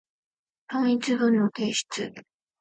単一文の提出